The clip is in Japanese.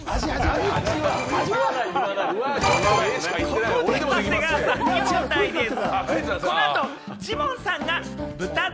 ここで長谷川さんに問題です！